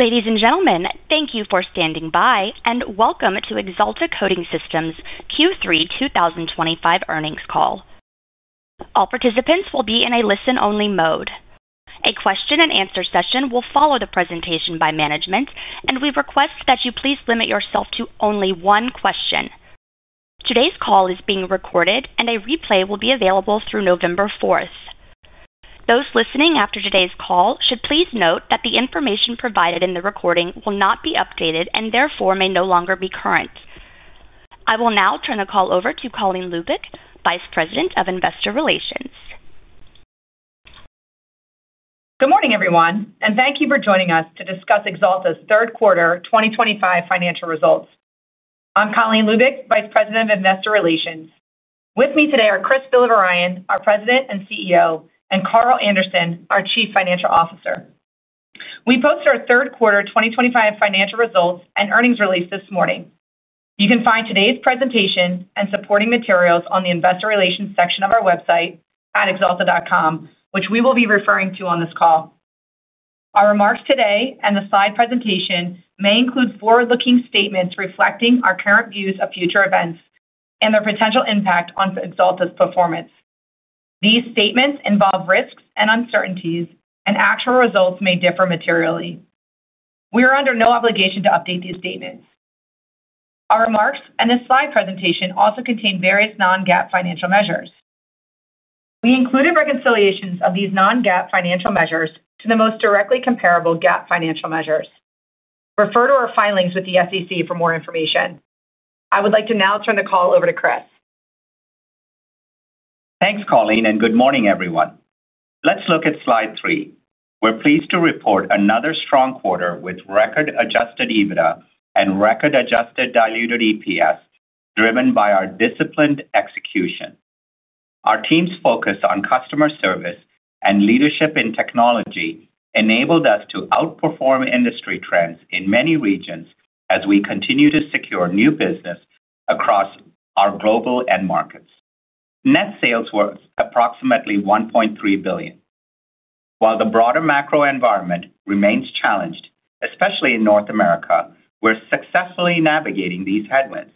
Ladies and gentlemen, thank you for standing by and Welcome to Axalta Coating Systems Q3 2025 earnings call. All participants will be in a listen-only mode. A question and answer session will follow the presentation by management, and we request that you please limit yourself to only one question. Today's call is being recorded, and a replay will be available through November 4th. Those listening after today's call should please note that the information provided in the recording will not be updated and therefore may no longer be current. I will now turn the call over to Colleen Lubic, Vice President of Investor Relations. Good morning everyone and thank you for joining us to discuss Axalta's third quarter 2025 financial results. I'm Colleen Lubic, Vice President of Investor Relations. With me today are Chris Villavarayan, our President and CEO, and Carl Anderson, our Chief Financial Officer. We posted our third quarter 2025 financial results and earnings release this morning. You can find today's presentation and supporting materials on the Investor Relations section of our website at axalta.com, which we will be referring to on this call. Our remarks today and the slide presentation may include forward looking statements reflecting our current views of future events and their potential impact on Axalta's performance. These statements involve risks and uncertainties and actual results may differ materially. We are under no obligation to update these statements. Our remarks and this slide presentation also contain various non-GAAP financial measures. We included reconciliations of these non-GAAP financial measures to the most directly comparable GAAP financial measures. Refer to our filings with the SEC for more information. I would like to now turn the call over to Chris. Thanks Colleen and good morning everyone. Let's look at slide three. We're pleased to report another strong quarter with record adjusted EBITDA and record adjusted diluted EPS driven by our disciplined execution. Our team's focus on customer service and leadership in technology enabled us to outperform industry trends in many regions as we continue to secure new business across our global end markets. Net sales were approximately $1.3 billion. While the broader macro environment remains challenged, especially in North America, we're successfully navigating these headwinds.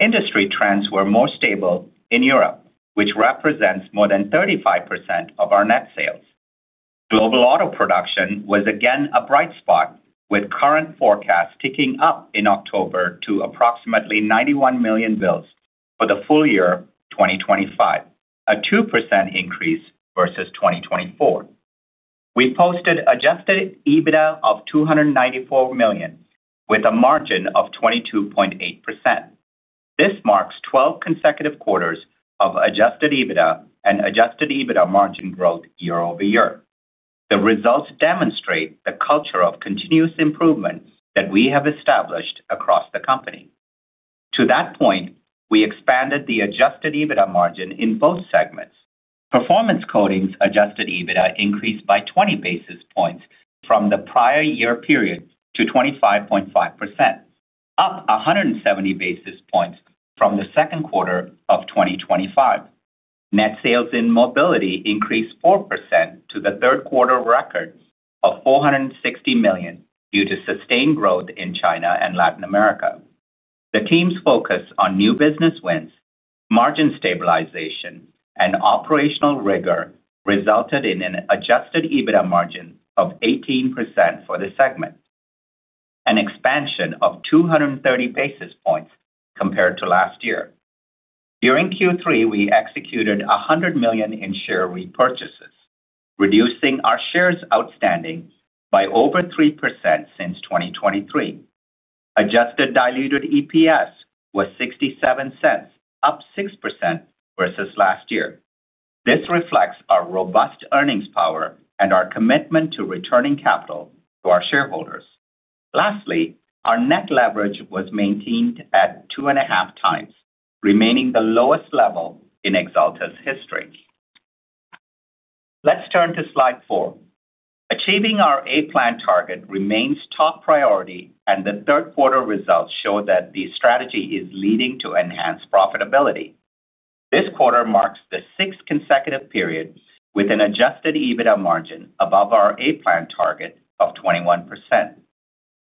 Industry trends were more stable in Europe, which represents more than 35% of our net sales. Global auto production was again a bright spot with current forecast ticking up in October to approximately 91 million builds for the full year 2025, a 2% increase versus 2024. We posted adjusted EBITDA of $294 million with a margin of 22.8%. This marks 12 consecutive quarters of adjusted EBITDA and adjusted EBITDA margin growth year-over-year. The results demonstrate the culture of continuous improvements that we have established across the company. To that point, we expanded the adjusted EBITDA margin in both segments. Performance Coatings adjusted EBITDA increased by 20 basis points from the prior year period to 25.5%, up 170 basis points from the second quarter of 2025. Net sales in Mobility increased 4% to the third quarter record of $460 million due to sustained growth in China and Latin America. The team's focus on new business wins, margin stabilization and operational rigor resulted in an adjusted EBITDA margin of 18% for the segment, an expansion of 230 basis points compared to last year. During Q3 we executed $100 million in share repurchases, reducing our shares outstanding by over 3% since 2023. Adjusted diluted EPS was $0.67, up 6% versus last year. This reflects our robust earnings power and our commitment to returning capital to our shareholders. Lastly, our net leverage was maintained at 2.5x, remaining the lowest level in Axalta's history. Let's turn to slide four. Achieving our A-plan target remains top priority and the third quarter results show that the strategy is leading to enhanced profitability. This quarter marks the sixth consecutive period with an adjusted EBITDA margin above our A-plan target of 21%.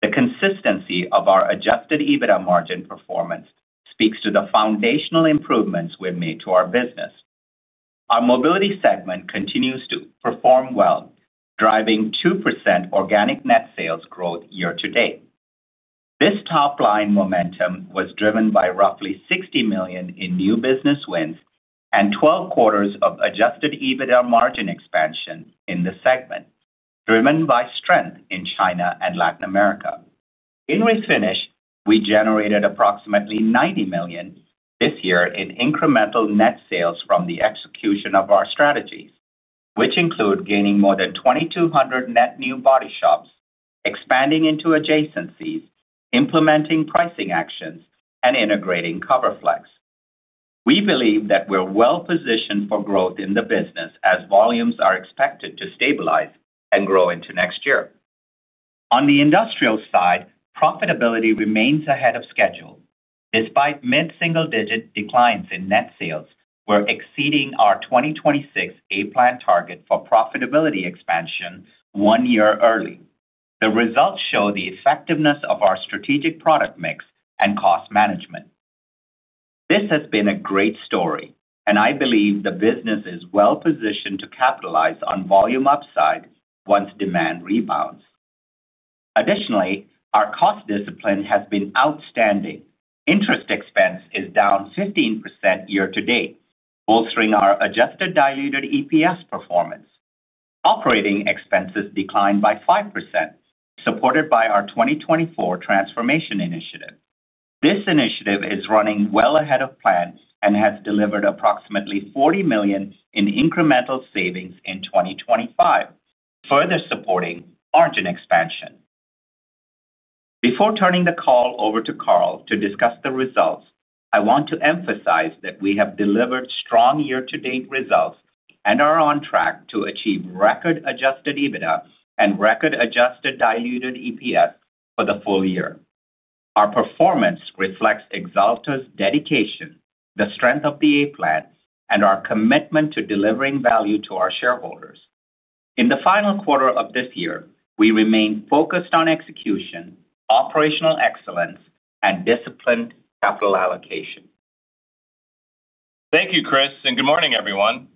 The consistency of our adjusted EBITDA margin performance speaks to the foundational improvements we have made to our business. Our Mobility segment continues to perform well, driving 2% organic net sales growth year-to-date. This top line momentum was driven by roughly $60 million in new business wins and 1.24% of adjusted EBITDA margin expansion in the segment, driven by strength in China and Latin America. In Refinish, we generated approximately $90 million this year in incremental net sales from the execution of our strategies, which include gaining more than 2,200 net new bodyshops, expanding into adjacencies, implementing pricing actions, and integrating CoverFlexx. We believe that we're well positioned for growth in the business as volumes are expected to stabilize and grow into next year. On the Industrial side, profitability remains ahead of schedule despite mid-single-digit declines in net sales. We're exceeding our 2026 A-Plan target for profitability expansion one year early. The results show the effectiveness of our strategic product mix and cost management. This has been a great story, and I believe the business is well positioned to capitalize on volume upside once demand rebounds. Additionally, our cost discipline has been outstanding. Interest expense is down 15% year-to-date, bolstering our adjusted diluted EPS performance. Operating expenses declined by 5%, supported by our 2024 transformation initiative. This initiative is running well ahead of plan and has delivered approximately $40 million in incremental savings in 2024, further supporting margin expansion. Before turning the call over to Carl to discuss the results, I want to emphasize that we have delivered strong year-to-date results and are on track to achieve record adjusted EBITDA and record adjusted diluted EPS for the full year. Our performance reflects Axalta's dedication, the strength of the A-Plans, and our commitment to delivering value to our shareholders. In the final quarter of this year, we remain focused on execution, operational excellence, and disciplined capital allocation. Thank you, Chris, and good morning, everyone.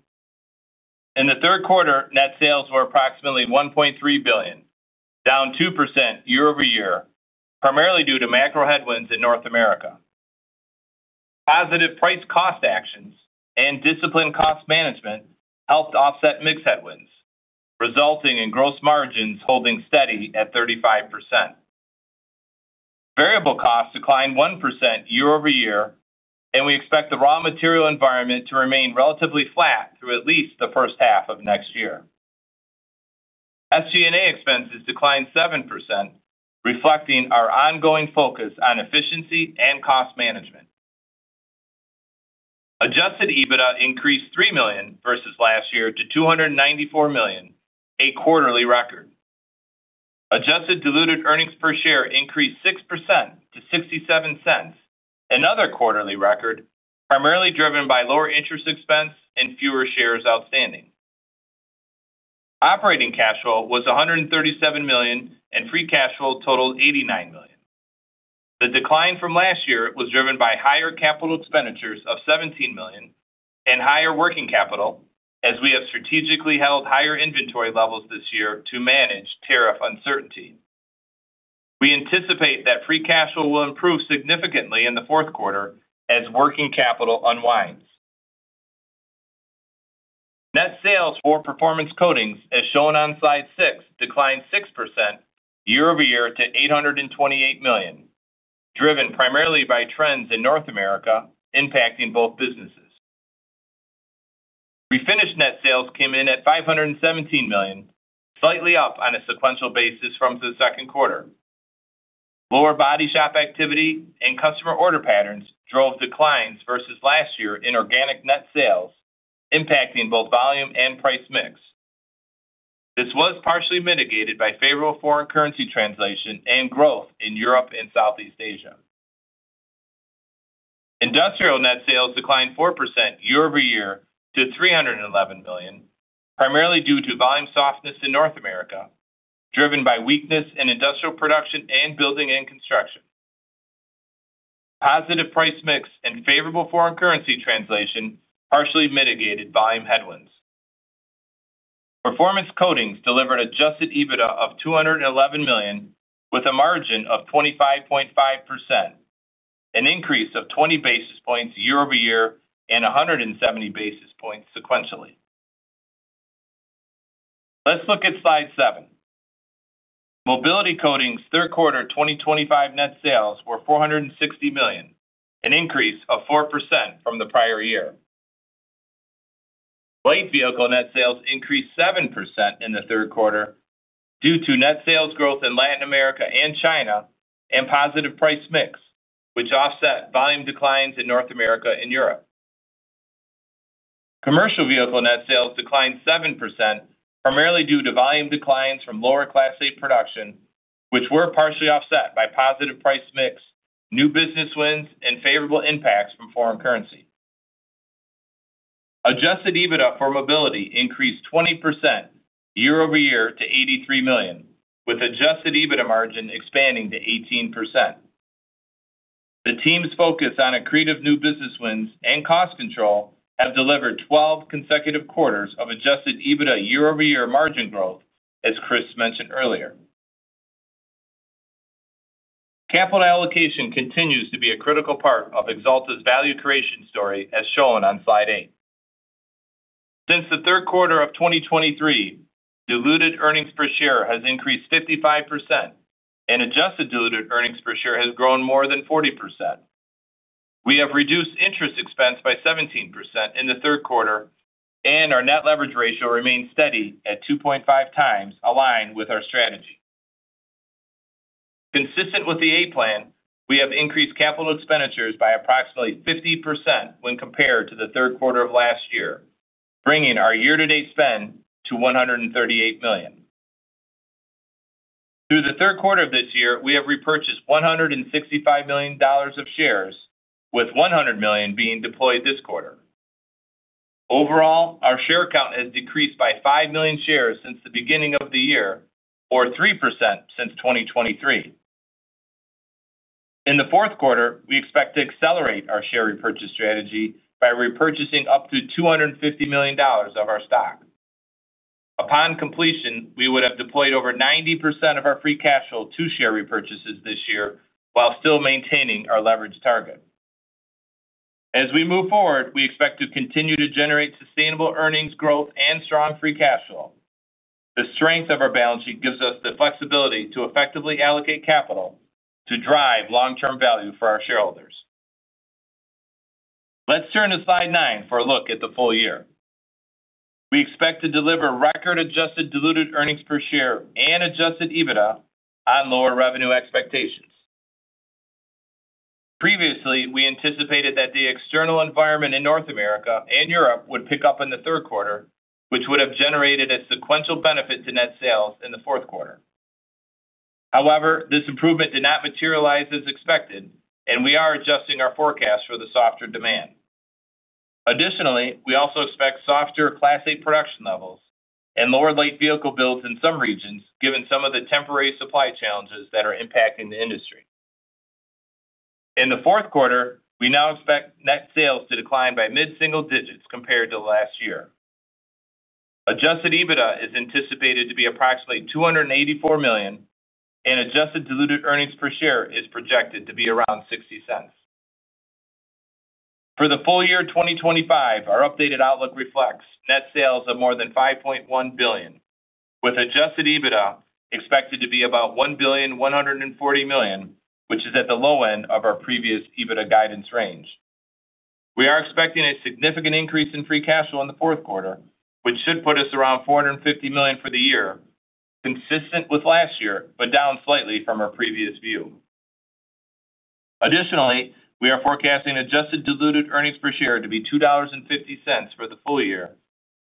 In the third quarter, net sales were approximately $1.3 billion, down 2% year-over-year, primarily due to macro headwinds in North America. Positive price cost actions and disciplined cost management helped offset mix headwinds, resulting in gross margins holding steady at 35%. Variable costs declined 1% year-over-year, and we expect the raw material environment to remain relatively flat through at least the first half of next year. SG&A expenses declined 7%, reflecting our ongoing focus on efficiency and cost management. Adjusted EBITDA increased $3 million versus last year to $294 million, a quarterly record. Adjusted diluted EPS increased 6% to $0.67, another quarterly record, primarily driven by lower interest expense and fewer shares. Outstanding operating cash flow was $137 million, and free cash flow totaled $89 million. The decline from last year was driven by higher capital expenditures of $17 million and higher working capital, as we have strategically held higher inventory levels this year to manage tariff uncertainty. We anticipate that free cash flow will improve significantly in the fourth quarter as working capital unwinds. Net sales for the Performance Coatings segment, as shown on slide six, declined 6% year-over-year to $828 million, driven primarily by trends in North America impacting both businesses. Refinish net sales came in at $517 million, slightly up on a sequential basis from the second quarter. Lower bodyshop activity and customer order patterns drove declines versus last year in organic net sales, impacting both volume and price mix. This was partially mitigated by favorable foreign currency translation and growth in Europe and Southeast Asia. Industrial net sales declined 4% year-over-year to $311 million, primarily due to volume softness in North America driven by weakness in Industrial production and building and construction. Positive price mix and favorable foreign currency translation partially mitigated volume headwinds. Performance Coatings delivered adjusted EBITDA of $211 million with a margin of 25.5%, an increase of 20 basis points year-over-year and 170 basis points sequentially. Let's look at slide seven. Mobility Coatings third quarter 2025 net sales were $460 million, an increase of 4% from the prior year. Light vehicle net sales increased 7% in the third quarter due to net sales growth in Latin America and China and positive price mix, which offset volume declines in North America and Europe. Commercial vehicle net sales declined 7% primarily due to volume declines from lower Class 8 production, which were partially offset by positive price mix, new business wins, and favorable impacts from foreign currency. Adjusted EBITDA for Mobility increased 20% year-over-year to $83 million, with adjusted EBITDA margin expanding to 18%. The team's focus on accretive new business wins and cost control have delivered 12 consecutive quarters of adjusted EBITDA year-over-year margin growth. As Chris mentioned earlier, capital allocation continues to be a critical part of Axalta's value creation story. As shown on slide eight, since the third quarter of 2023, diluted earnings per share has increased 55% and adjusted diluted earnings per share has grown more than 40%. We have reduced interest expense by 17% in the third quarter and our net leverage ratio remains steady at 2.5x, aligned with our strategy. Consistent with the plan, we have increased capital expenditures by approximately 50% when compared to the third quarter of last year, bringing our year-to-date spend to $138 million. Through the third quarter of this year, we have repurchased $165 million of shares, with $100 million being deployed this quarter. Overall, our share count has decreased by 5 million shares since the beginning of the year or 3% since 2023. In the fourth quarter, we expect to accelerate our share repurchase strategy by repurchasing up to $250 million of our stock. Upon completion, we would have deployed over 90% of our free cash flow to share repurchases this year while still maintaining our leverage target. As we move forward, we expect to continue to generate sustainable earnings growth and strong free cash flow. The strength of our balance sheet gives us the flexibility to effectively allocate capital to drive long-term value for our shareholders. Let's turn to slide nine for a look at the full year. We expect to deliver record adjusted diluted earnings per share and adjusted EBITDA on lower revenue expectations. Previously, we anticipated that the external environment in North America and Europe would pick up in the third quarter, which would have generated a sequential benefit to net sales in the fourth quarter. However, this improvement did not materialize as expected, and we are adjusting our forecast for the softer demand. Additionally, we also expect softer Class 8 production levels and lower light vehicle builds in some regions. Given some of the temporary supply challenges that are impacting the industry in the fourth quarter, we now expect net sales to decline by mid single digits compared to last year. Adjusted EBITDA is anticipated to be approximately $284 million, and adjusted diluted EPS is projected to be around $0.60 for the full year 2025. Our updated outlook reflects net sales of more than $5.1 billion, with adjusted EBITDA expected to be about $1.14 billion, which is at the low end of our previous EBITDA guidance range. We are expecting a significant increase in free cash flow in the fourth quarter, which should put us around $450 million for the year, consistent with last year but down slightly from our previous view. Additionally, we are forecasting adjusted diluted EPS to be $2.50 for the full year,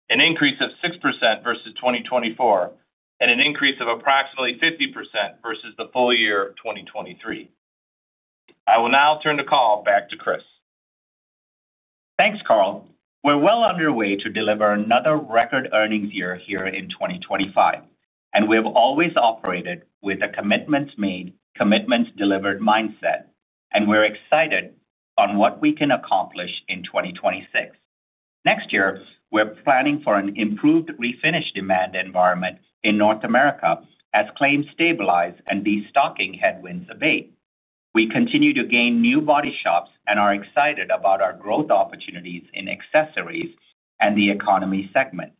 an increase of 6% versus 2024 and an increase of approximately 50% versus the full year 2023. I will now turn the call back to Chris. Thanks, Carl. We're well underway to deliver another record earnings year here in 2025, and we have always operated with a commitments made, commitments delivered mindset. We're excited on what we can accomplish in 2026. Next year we're planning for an improved Refinish demand environment in North America as claims stabilize and destocking headwinds abate. We continue to gain new bodyshops and are excited about our growth opportunities in accessories and the economy segment.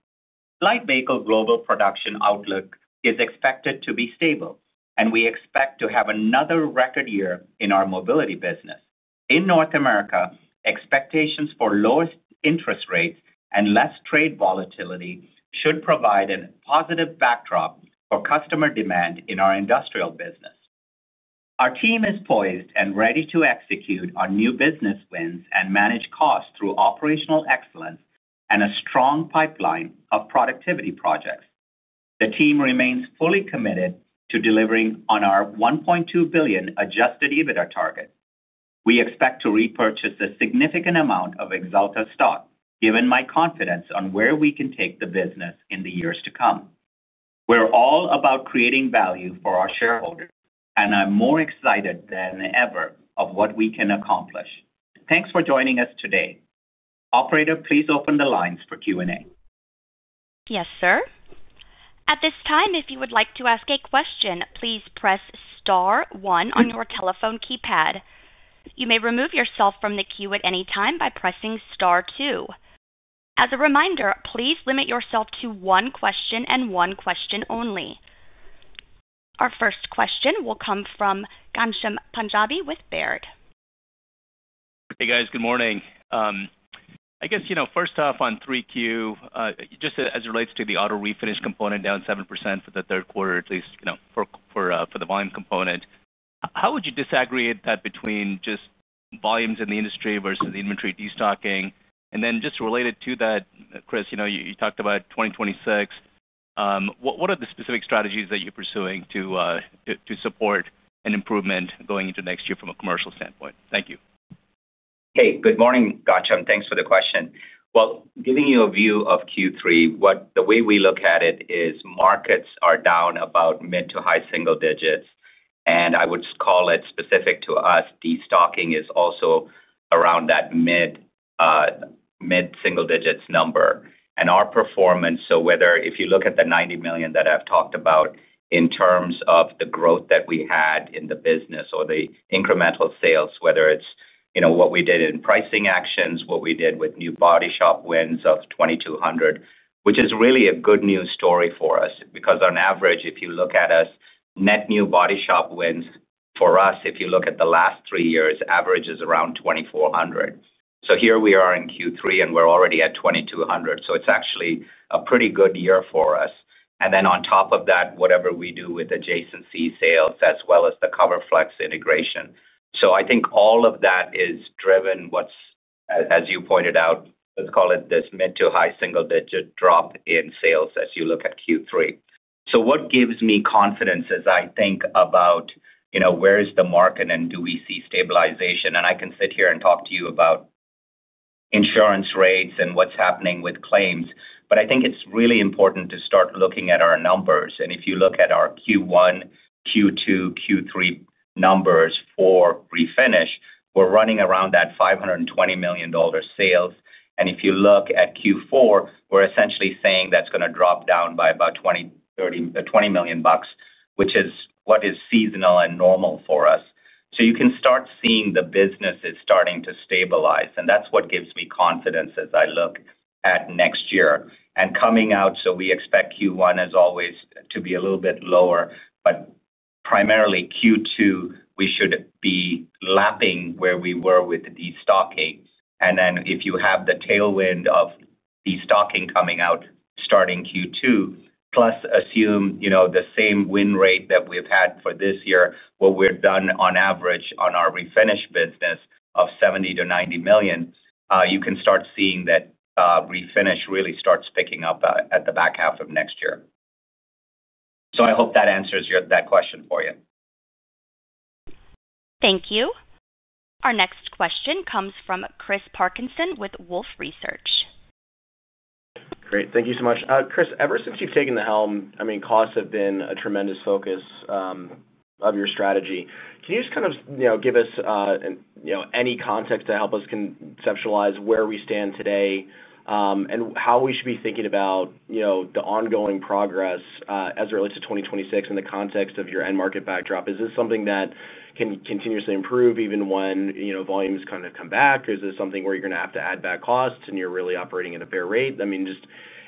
Light vehicle global production outlook is expected to be stable, and we expect to have another record year in our Mobility business in North America. Expectations for lower interest rates and less trade volatility should provide a positive backdrop for customer demand in our Industrial business. Our team is poised and ready to execute on new business wins and manage costs through operational excellence and a strong pipeline of productivity projects. The team remains fully committed to delivering on our $1.2 billion adjusted EBITDA target. We expect to repurchase a significant amount of Axalta stock given my confidence on where we can take the business in the years to come. We're all about creating value for our shareholders, and I'm more excited than ever of what we can accomplish. Thanks for joining us today. Operator, please open the lines for Q and A. Yes sir. At this time, if you would like to ask a question, please press star one on your telephone keypad. You may remove yourself from the queue at any time by pressing star two. As a reminder, please limit yourself to one question and one question only. Our first question will come from Ghansham Panjabi with Baird. Hey guys, good morning. First off on 3Q, just as it relates to the auto Refinish component, down 7% for the third quarter at least for the volume component, how would you disaggregate that between just volumes in the industry versus inventory destocking, and then just related to that, Chris, you talked about 2026. What are the specific strategies that you're pursuing to support an improvement going into next year from a commercial standpoint? Thank you. Hey, good morning. Gotcha and thanks for the question. Giving you a view of Q3, the way we look at it is markets are down about mid to high single digits and I would call it specific to us, destocking is also around that mid single digits number and our performance. Whether you look at the $90 million that I've talked about in terms of the growth that we had in the business or the incremental sales, whether it's what we did in pricing actions, what we did with new bodyshop wins of 2,200, which is really a good news story for us because on average if you look at us net new bodyshop wins for us, if you look at the last three years, averages around 2,400. Here we are in Q3 and we're already at 2,200. It's actually a pretty good year for us. On top of that, whatever we do with adjacency sales as well as the CoverFlexx integration, I think all of that has driven what, as you pointed out, let's call it this mid to high single digit drop in sales as you look at Q3. What gives me confidence as I think about where is the market and do we see stabilization? I can sit here and talk to you about insurance rates and what's happening with claims, but I think it's really important to start looking at our numbers. If you look at our Q1, Q2, Q3 numbers for Refinish, we're running around that $520 million sales and if you look at Q4, we're essentially saying that's going to drop down by about $20 million, which is what is seasonal and normal for us. You can start seeing the business is starting to stabilize and that's what gives me confidence as I look at next year and coming out. We expect Q1, as always, to be a little bit lower. Primarily Q2, we should be lapping where we were with the destocking. If you have the tailwind of destocking coming out, starting Q2 plus assume, you know, the same win rate that we've had for this year, what we've done on average on our Refinish business of $70 million-$90 million, you can start seeing that Refinish really starts picking up at the back half of next year. I hope that answers that question for you. Thank you. Our next question comes from Chris Parkinson with Wolfe Research. Great. Thank you so much. Chris, ever since you've taken the helm, I mean, costs have been a tremendous focus of your strategy. Can you just kind of give us. Any context to help us conceptualize where we stand today and how we should be thinking about the ongoing progress as it relates to 2026? In the context of your end market backdrop, is this something that can continuously improve even when volumes kind of come back? Is this something where you're going to have to add back costs to and you're really operating at a fair rate?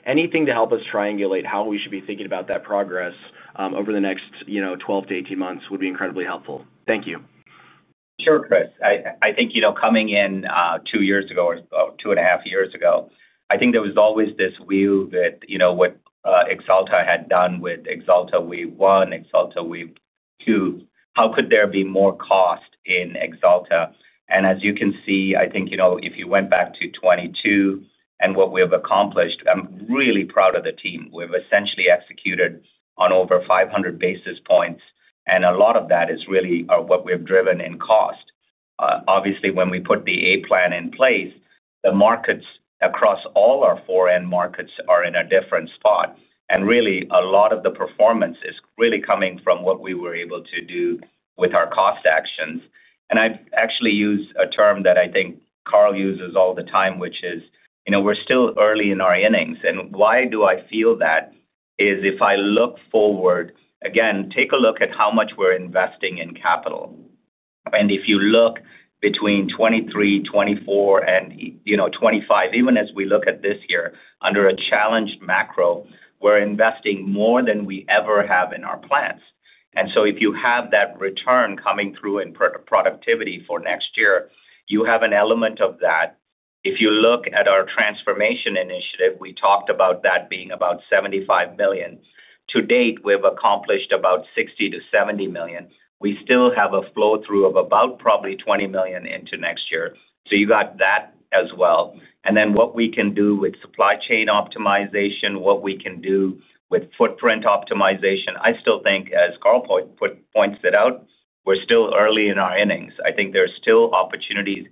Anything to help us triangulate how we should be thinking about that progress over the next 12 months-18 months would be incredibly helpful. Thank you. Sure. Chris. I think coming in two years ago or two and a half years ago, I think there was always this view that what Axalta had done with Axalta wave one, Axalta wave two, how could there be more cost in Axalta? As you can see, I think if you went back to 2022 and what we have accomplished, I'm really proud of the team. We've essentially executed on over 500 basis points, and a lot of that is really what we have driven in cost. Obviously, when we put the A-plan in place, the markets across all our foreign markets are in a different spot. Really, a lot of the performance is really coming from what we were able to do with our cost actions. I actually use a term that I think Carl uses all the time, which is we're still early in our innings. Why do I feel that is if I look forward again, take a look at how much we're investing in capital, and if you look between 2023, 2024, and 2025, even as we look at this year under a challenged macro, we're investing more than we ever have in our plants. If you have that return coming through in productivity for next year, you have an element of that. If you look at our transformation initiative, we talked about that being about $75 million. To date we've accomplished about $60 million-$70 million. We still have a flow through of about probably $20 million into next year, so you got that as well. What we can do with supply chain optimization, what we can do with footprint optimization, I still think, as Carl points out, we're still early in our innings. I think there's still opportunities.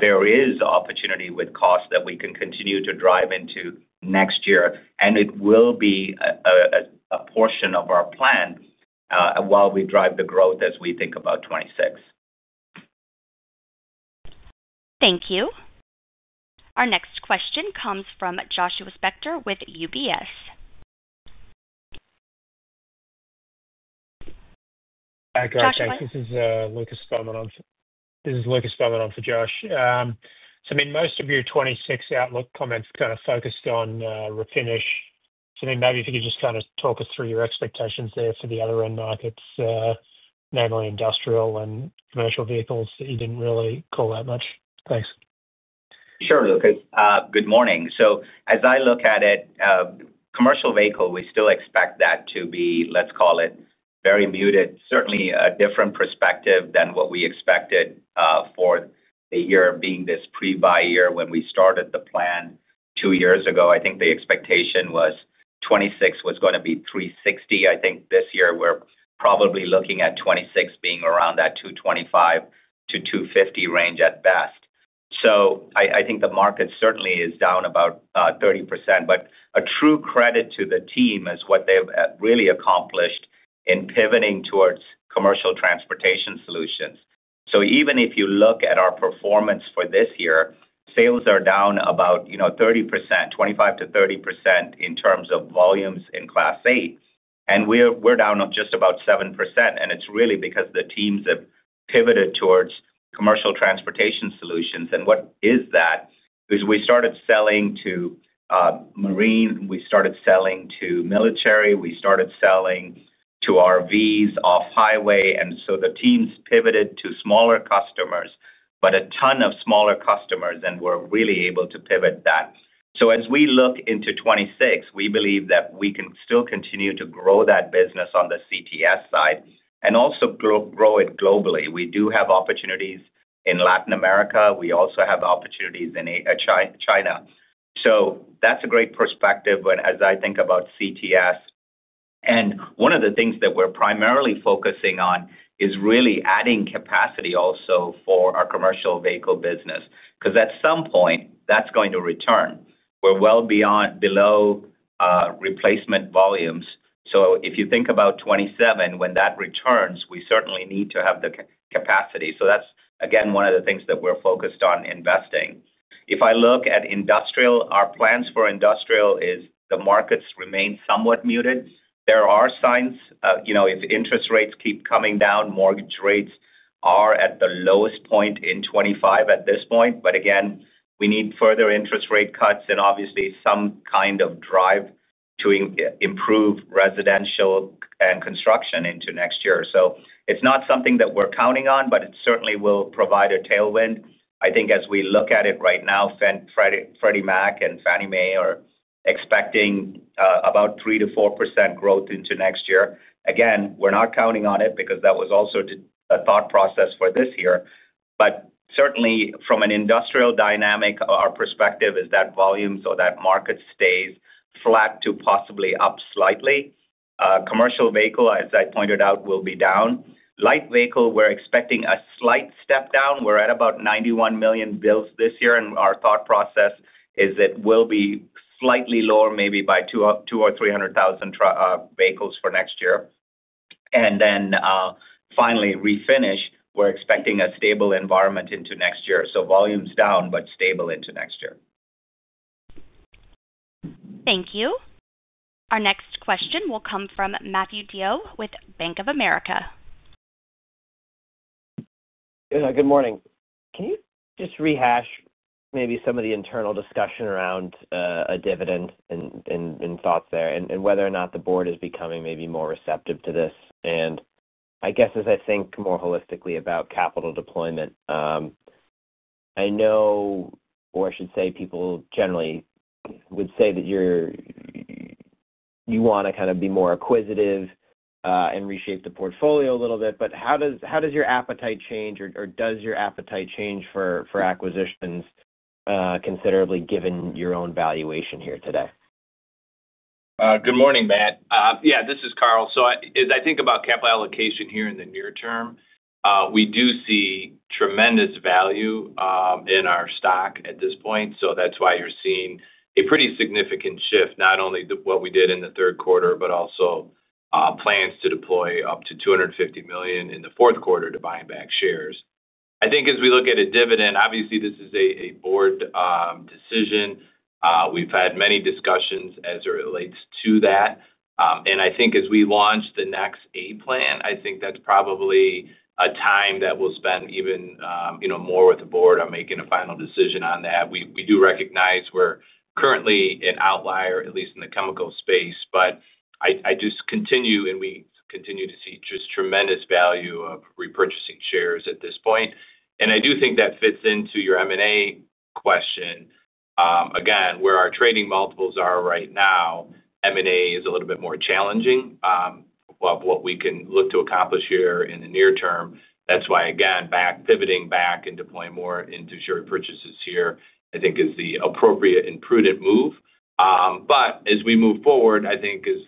There is opportunity with costs that we can continue to drive into next year, and it will be a portion of our plan while we drive the growth as we think about 2026. Thank you. Our next question comes from Joshua Spector with UBS. This is Lucas Beaumont. This is Lucas Beaumont on for Josh. Most of your 2026 outlook comments kind of focused on Refinish. If you could just kind of talk us through your expectations there for the other end markets, mainly Industrial and commercial vehicles that you didn't really call that much. Thanks. Sure. Lucas, good morning. As I look at it, commercial vehicle, we still expect that to be, let's call it very muted. Certainly a different perspective than what we expected for the year being this pre-buy year. When we started the plan two years ago, I think the expectation was 2026 was going to be 360. I think this year we're probably looking at 2026 being around that 225-250 range at best. I think the market certainly is down about 30%. A true credit to the team is what they've really accomplished in pivoting towards commercial transportation solutions. Even if you look at our performance for this year, sales are down about 30%, 25%-30% in terms of volumes in Class 8 and we're down just about 7%. It's really because the teams have pivoted towards commercial transportation solutions. What that is, is we started selling to marine, we started selling to military, we started selling to RVs, off-highway. The teams pivoted to smaller customers, but a ton of smaller customers and were really able to pivot that. As we look into 2026, we believe that we can still continue to grow that business on the CTS side and also grow it globally. We do have opportunities in Latin America, we also have opportunities in China. That's a great perspective as I think about CTS. One of the things that we're primarily focusing on is really adding capacity also for our commercial vehicle business, because at some point that's going to return. We're well beyond below replacement volumes. If you think about 2027, when that returns, we certainly need to have the capacity. That's again, one of the things that we're focused on investing. If I look at Industrial, our plans for Industrial is the markets remain somewhat muted. There are signs, you know, if interest rates keep coming down, mortgage rates are at the lowest point in 2025 at this point. We need further interest rate cuts and obviously some kind of drive to improve residential and construction into next year. It's not something that we're counting on, but it certainly will provide a tailwind. I think, as we look at it right now, Freddie Mac and Fannie Mae are expecting about 3%-4% growth into next year. Again, we're not counting on it because that was also a thought process for this year. Certainly from an Industrial dynamic, our perspective is that volumes or that market stays flat to possibly up slightly. Commercial vehicle, as I pointed out, will be down, light vehicle. We're expecting a slight step down. We're at about 91 million builds this year. Our thought process is it will be slightly lower, maybe by 200,000 vehicles or 300,000 vehicles for next year and finally Refinish. We're expecting a stable environment into next year. Volumes down, but stable into next year. Thank you. Our next question will come from Matthew DeYoe with Bank of America. Good morning. Can you just rehash maybe some of the internal discussion around a dividend and thoughts there, and whether or not the board is becoming maybe more receptive to this? I guess as I think more holistically about capital deployment, I know, or I should say, people generally would say that you want to kind of be more acquisitive and reshape the portfolio a little bit. How does your appetite change or. Does your appetite change for acquisitions considerably given your own valuation here today? Good morning, Matt. Yeah, this is Carl. As I think about capital allocation here in the near term, we do see tremendous value in our stock at this point. That's why you're seeing a pretty significant shift, not only what we did in the third quarter, but also plans to deploy up to $250 million in the fourth quarter to buying back shares. I think as we look at a dividend, obviously this is a board decision. We've had many discussions as it relates to that. I think as we launch the next plan, that's probably a time that we'll spend even more with the board on making a final decision on that. We do recognize we're currently an outlier, at least in the chemical space. I just continue and we continue to see just tremendous value of repurchasing shares at this point. I do think that fits into. Your M&A question again, where our trading multiples are right now, M&A is a little bit more challenging of what we can look to accomplish here in the near term. That's why, again, pivoting back and deploying more into share repurchases here I think is the appropriate and prudent move. As we move forward, I think. Is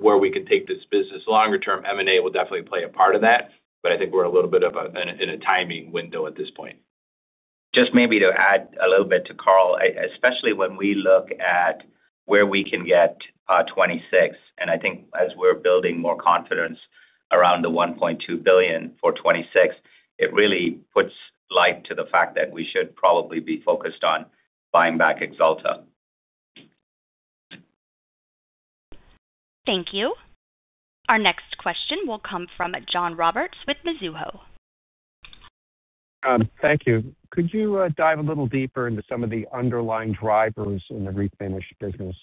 where we can take this business longer term. M&A will definitely play a part of that. I think we're a little bit of in a timing window at this point. Just maybe to add a little bit to Carl, especially when we look at where we can get 2026. I think as we're building more confidence around the $1.2 billion for 2026, it really puts light to the fact that we should probably be focused on buying back Axalta. Thank you. Our next question will come from John Roberts with Mizuho. Thank you. Could you dive a little deeper into some of the underlying drivers in the Refinish business?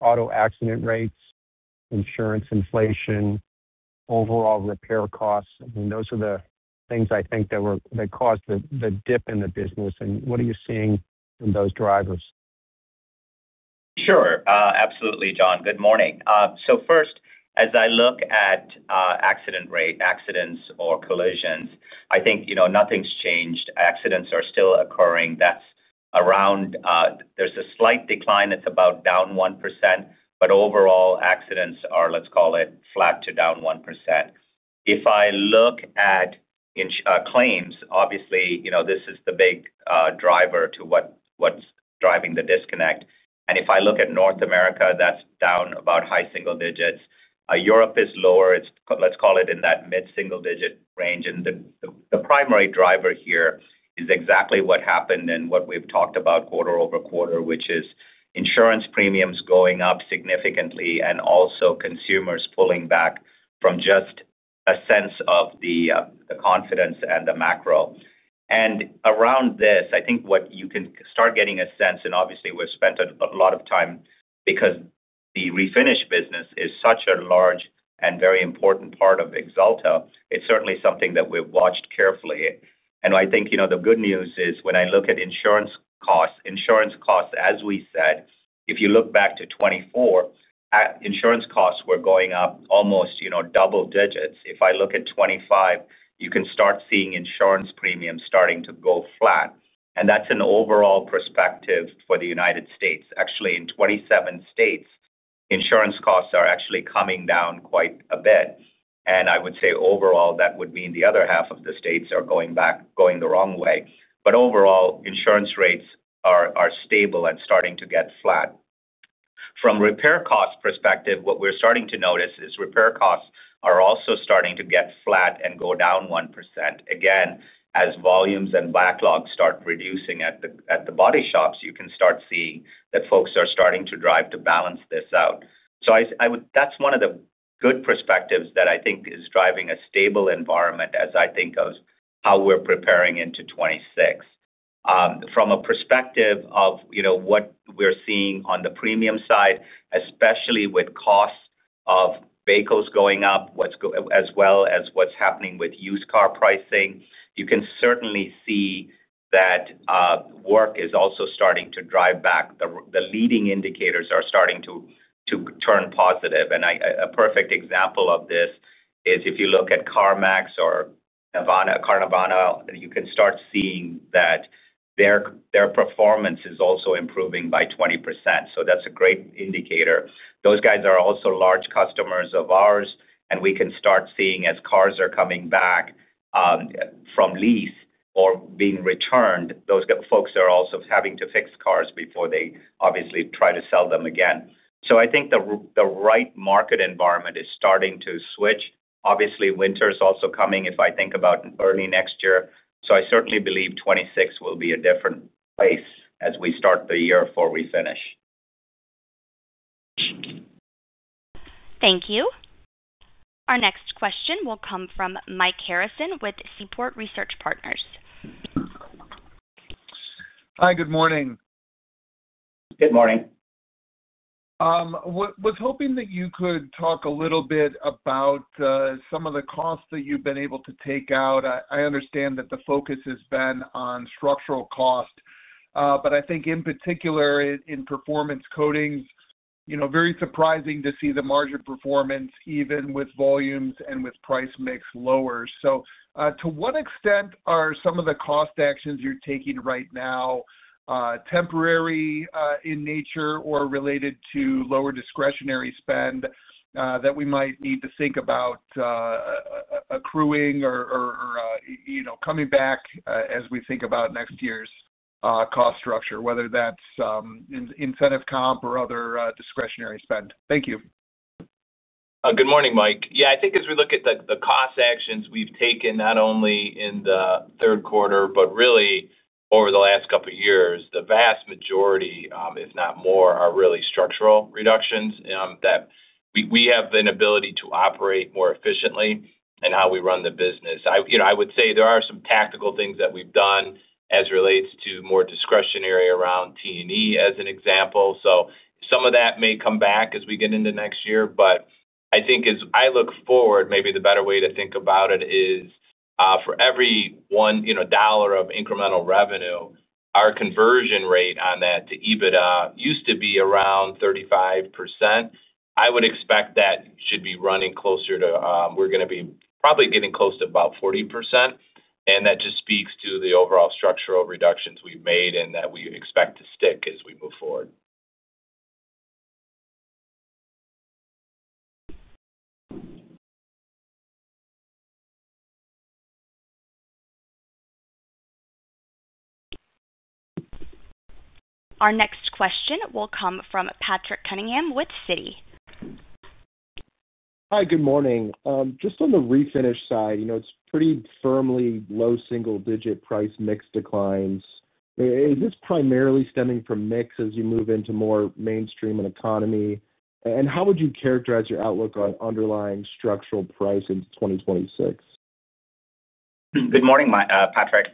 Auto accident rates, insurance inflation, overall repair costs. Those are the things I think that caused the dip in the business. What are you seeing in those drivers? Sure, absolutely. John, good morning. First, as I look at accident rate accidents or collisions, I think nothing's changed. Accidents are still occurring. There's a slight decline. It's about down 1%. Overall, accidents are, let's call it flat to down 1%. If I look at in claims, obviously this is the big driver to what's driving the disconnect. If I look at North America, that's down about high single digits. Europe is lower, let's call it in that mid single digit range. The primary driver here is exactly what happened and what we've talked about quarter over quarter, which is insurance premiums going up significantly and also consumers pulling back from just a sense of the confidence and the macro. Around this, I think what you can start getting a sense and obviously we've spent a lot of time because the Refinish business is such a large and very important part of Axalta. It's certainly something that we've watched carefully. I think the good news is when I look at insurance costs, insurance costs, as we said, if you look back to 2024, insurance costs were going up almost double digits. If I look at 2025, you can start seeing insurance premiums starting to go flat. That's an overall perspective for the United States. Actually, in 27 states, insurance costs are actually coming down quite a bit. I would say overall, that would mean the other half of the states are going back, going the wrong way. Overall, insurance rates are stable and starting to get flat. From a repair cost perspective, what we're starting to notice is repair costs are also starting to get flat and go down 1% again as volumes and backlog start reducing. At the bodyshops, you can start seeing that folks are starting to drive to balance this out. That's one of the good perspectives that I think is driving a stable environment. As I think of how we're preparing into 2026 from a perspective of what we're seeing on the premium side, especially with costs of vehicles going up, as well as what's happening with used car pricing, you can certainly see that work is also starting to drive back. The leading indicators are starting to turn positive. A perfect example of this is if you look at CarMax or Carvana, you can start seeing that their performance is also improving by 20%. That's a great indicator. Those guys are also large customers of ours, and we can start seeing as cars are coming back from lease or being returned, those folks are also having to fix cars before they obviously try to sell them again. I think the right market environment is starting to switch. Obviously, winter is also coming if I think about early next year. I certainly believe 2026 will be a different place as we start the year before we finish. Thank you. Our next question will come from Mike Harrison with Seaport Research Partners. Hi, good morning. Good morning. Was hoping that you could talk a little bit about some of the costs that you've been able to take out. I understand that the focus has been on structural cost, but I think in particular in Performance Coatings, you know, very surprising to see the margin performance even with volumes and with price mix lower. To what extent are some of the cost actions you're taking right now temporary in nature or related to lower discretionary spend that we might need to think about accruing or, you know, coming back as we think about next year's cost structure, whether that's incentive comp or other discretionary spend. Thank you. Good morning, Mike. Yeah, I think as we look at it. The cost actions we've taken not only in the third quarter but really over the last couple of years, the vast majority, if not more, are really structural reductions that we have an ability to operate more efficiently and how we run the business. I would say there are some tactical things that we've done as relates to more discretionary around T&E as an example. Some of that may come back as we get into next year. I think as I look forward, maybe the better way to think about it is for every $1 of incremental revenue, our conversion rate on that to EBITDA used to be around 35%. I would expect that should be running closer to we're going to be probably getting close to about 40%, and that just speaks to the overall structural reductions we've made and that we expect to stick as we move. Our next question will come from Patrick Cunningham with Citi. Hi, good morning. Just on the Refinish side, you know, it's pretty firmly low single-digit price mix declines. Is this primarily stemming from mix? You move into more mainstream and economy, and how would you characterize your outlook on underlying structural price into 2026? Good morning, Patrick.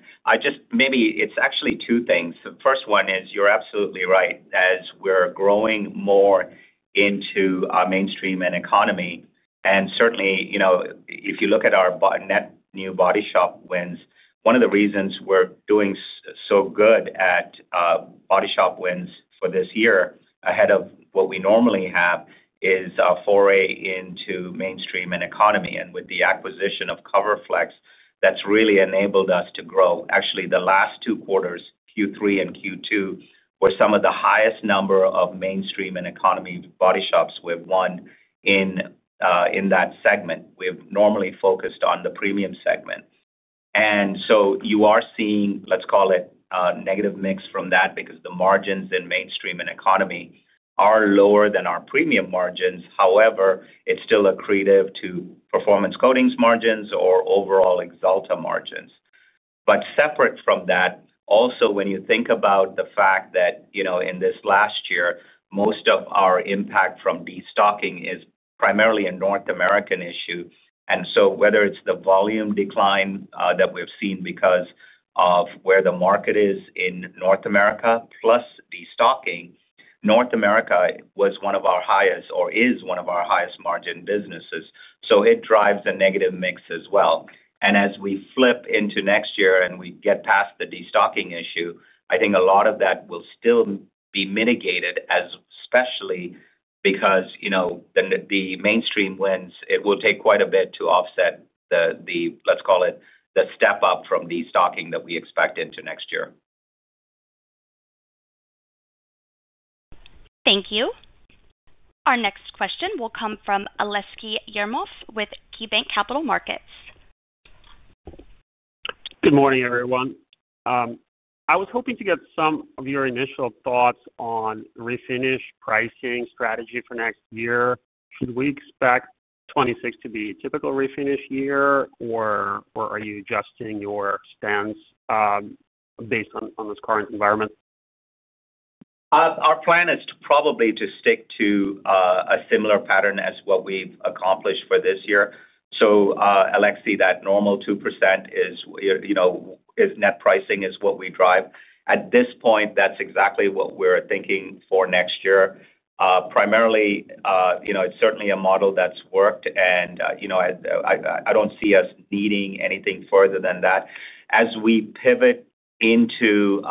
Maybe it's actually two things. The first one is you're absolutely right. As we're growing more into our mainstream and economy, and certainly if you look at our net new bodyshop wins, one of the reasons we're doing so good at bodyshop wins for this year ahead of what we normally have is a foray into mainstream and economy. With the acquisition of CoverFlexx, that's really enabled us to grow. The last two quarters, Q3 and Q2, were some of the highest number of mainstream and economy bodyshops we've won in. In that segment, we've normally focused on the premium segment. You are seeing, let's call it, negative mix from that because the margins in mainstream and economy are lower than our premium margins. However, it's still accretive to Performance Coatings segment margins or overall Axalta margins. Separate from that, also when you think about the fact that in this last year most of our impact from destocking is primarily a North American issue. Whether it's the volume decline that we've seen because of where the market is in North America plus destocking, North America was one of our highest or is one of our highest margin businesses. It drives a negative mix as well. As we flip into next year and we get past the destocking issue, I think a lot of that will still be mitigated, especially because, you know, the mainstream wins. It will take quite a bit to offset the, let's call it, the step up from destocking that we expect into next year. Thank you. Our next question will come from Aleksey Yefremov with KeyBanc Capital Markets. Good morning, everyone. I was hoping to get some of. Your initial thoughts on Refinish pricing strategy for next year. Should we expect 2026 to be a typical Refinish year, or are you adjusting your stance based on this current environment? Our plan is probably to stick to a similar pattern as what we've accomplished for this year. So, Aleksey, that normal 2% is net pricing is what we drive at this point. That's exactly what we're thinking for next year primarily. It's certainly a model that's worked, and I don't see us needing anything further than that as we pivot into,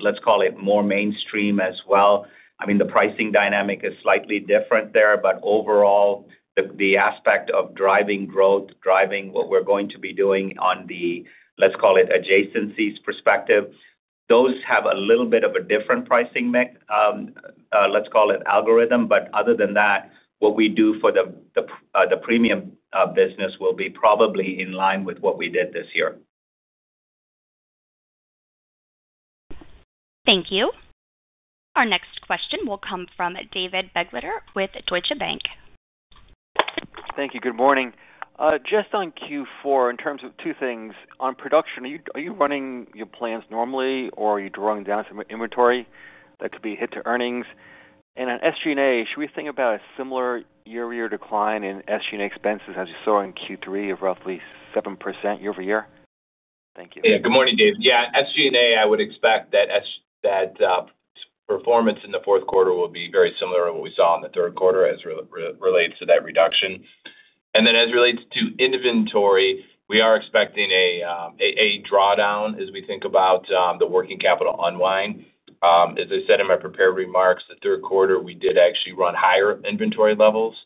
let's call it, more mainstream as well. I mean, the pricing dynamic is slightly different there, but overall the aspect of driving growth, driving what we're going to be doing on the, call it, adjacencies perspective, those have a little bit of a different pricing mix, let's call it, algorithm. Other than that, what we do for the premium business will be probably in line with what we did this year. Thank you. Our next question will come from David Begleiter with Deutsche Bank. Thank you. Good morning. Just on Q4, in terms of two things on production, are you running your... Plant normally, or are you drawing down? Some inventory that could be a hit to earnings? On SG&A, should we think about a similar year-over-year decline in SG&A expenses as you saw in Q3 of roughly 7% year-over-year. Yeah, good morning, Dave. Yeah, SG&A. I would expect that performance in the fourth quarter will be very similar to what we saw in the third quarter as relates to that reduction, and then as relates to inventory, we are expecting a drawdown as we think about the working capital unwind. As I said in my prepared remarks, the third quarter we did actually run higher inventory levels,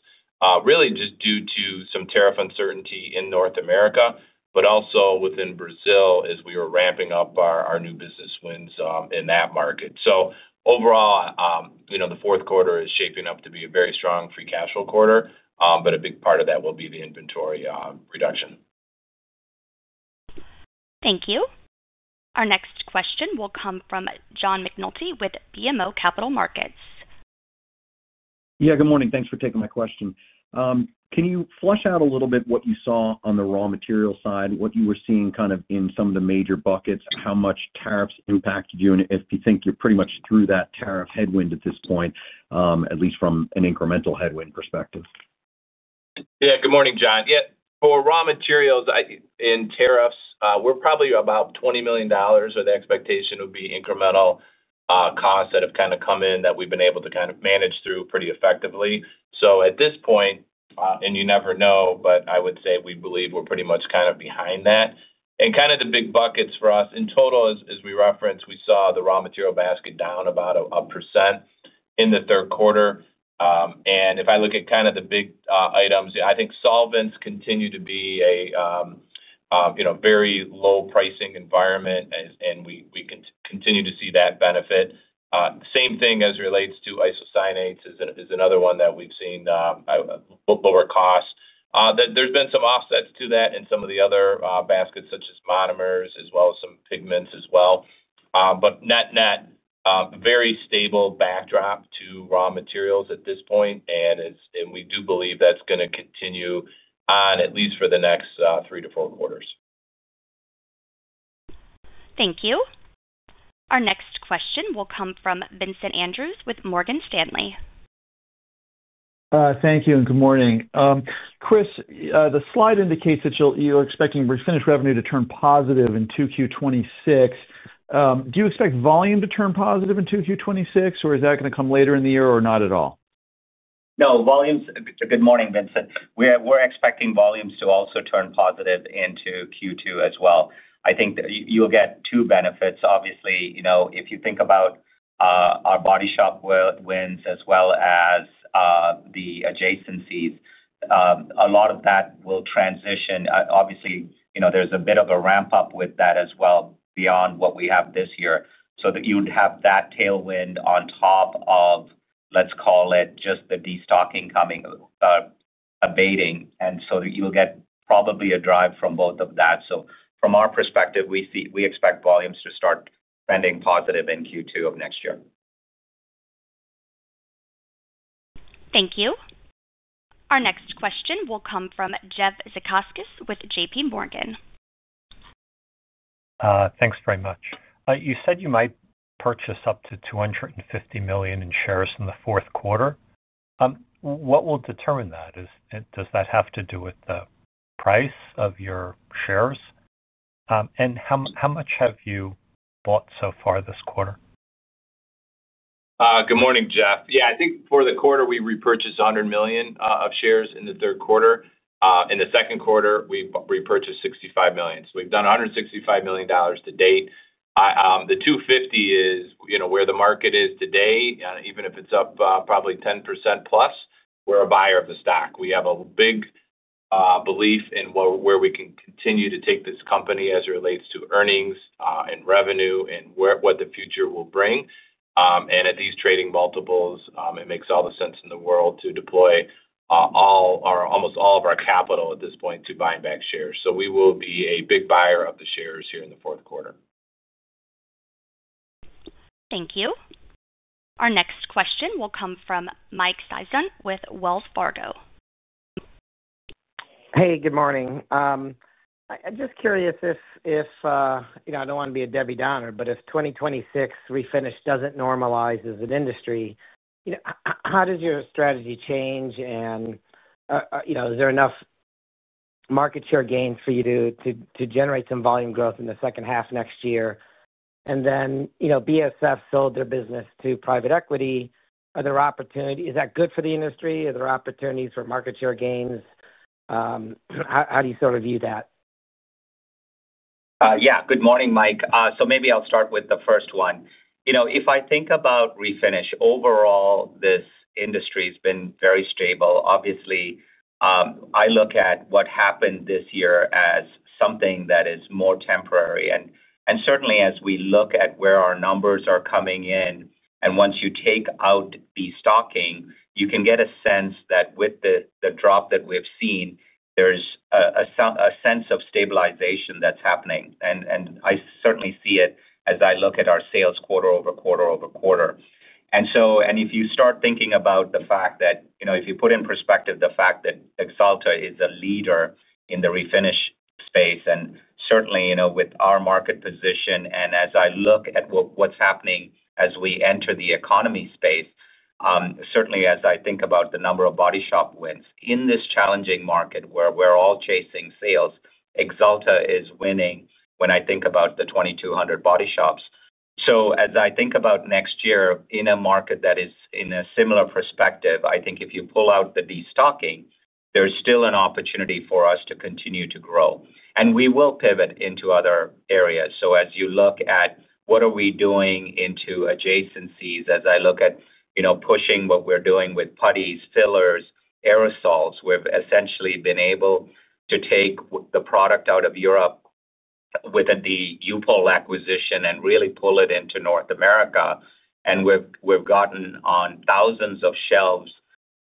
really just due to some tariff uncertainty in North America, but also within Brazil as we were ramping up our new business wins in that market. Overall, the fourth quarter is shaping up to be a very strong free cash flow quarter, and a big part of that will be the inventory reduction. Thank you. Our next question will come from John McNulty with BMO Capital Markets. Yeah, good morning. Thanks for taking my question. Can you flesh out a little bit what you saw on the raw material side, what you were seeing, kind of. In some of the major buckets, how? Have tariffs impacted you, and do you think you're pretty much through that tariff headwind at this point, at least from an incremental headwind perspective? Yeah, good morning, John. For raw materials and tariffs, we're probably about $20 million, or the expectation would be incremental costs that have kind of come in that we've been able to kind of manage through pretty effectively. At this point, you never know, but I would say we believe we're pretty much kind of behind that, and the big buckets for us in total, as we referenced, we saw the raw material basket down about. [A %] in the third quarter. If I look at kind of the big items, I think solvents continue to be a very low pricing environment, and we can continue to see that benefit. Same thing as relates to isocyanates, which is another one that we've seen lower cost. There's been some offsets to that. Some of the other baskets, such as monomers as well as some pigments as well. Net, net, very stable backdrop to raw materials at this point. We do believe that's going to continue on at least for the next three quarters-four quarters. Thank you. Our next question will come from Vincent Andrews with Morgan Stanley. Thank you and good morning, Chris. The slide indicates that you're expecting Refinish revenue to turn positive in 2Q26. Do you expect volume to turn positive in 2Q26 or is that going to. Come later in the year or not at all? No volumes. Good morning, Vincent. We're expecting volumes to also turn positive into Q2 as well. I think you'll get two benefits. Obviously, if you think about our bodyshop wins as well as the adjacencies, a lot of that will transition. There's a bit of a ramp up with that as well beyond what we have this year. You'd have that tailwind on top of, let's call it just the destocking coming, abating. You will get probably a drive from both of that. From our perspective, we expect volumes to start trending positive in Q2 of next year. Thank you. Our next question will come from Jeff Zekauskas with JPMorgan. Thanks very much. You said you might purchase up to $250 million in shares in the fourth quarter. What will determine that? Does that have to do with the price of your shares, and how much have you bought so far this quarter? Good morning, Jeff. Yeah, I think for the quarter, we repurchased $100 million of shares in the third quarter. In the second quarter, we repurchased $65 million. We've done $165 million to date. The $250 million is, you know, where the market is today, even if it's up probably 10%+ we're a buyer of the stock. We have a big belief in where. We can continue to take this company. As it relates to earnings and revenue and what the future will bring, at these trading multiples, it makes all the sense in the world to deploy almost all of our capital at this point to buying back shares. We will be a big buyer of the shares here in the fourth quarter. Thank you. Our next question will come from Mike Sison with Wells Fargo. Hey, good morning. I'm just curious, I don't want to be a Debbie downer, but if 2026 Refinish doesn't normalize as in, how does your strategy change, and is there enough market share gains for you to generate some volume growth in the second half next year? BASF sold their business to private equity. Is that good for the industry? Are there opportunities for market share gains? How do you view that? Yeah. Good morning, Mike. Maybe I'll start with the first one. You know, if I think about Refinish, overall, this industry has been very stable. Obviously, I look at what happened this year as something that is more temporary and certainly as we look at where our numbers are coming in and once you take out the destocking, you can get a sense that with the drop that we've seen, there's a sense of stabilization that's happening. I certainly see it as I look at our sales quarter over quarter over quarter. If you start thinking about the fact that, you know, if you put in perspective the fact that Axalta is a leader in the Refinish space and certainly, you know, with our market position and as I look at what's happening as we enter the economy space, certainly as I think about the number of bodyshop wins in this challenging market where we're all chasing sales, Axalta is winning when I think about the 2,200 bodyshops. As I think about next year in a market that is in a similar perspective, I think if you pull out the destocking, there's still an opportunity for us to continue to grow and we will pivot into other areas. As you look at what are we doing into adjacencies, as I look at pushing what we're doing with putties, fillers, aerosols, we've essentially been able to take the product out of Europe with the U-POL acquisition and really pull it into North America. We've gotten on thousands of shelves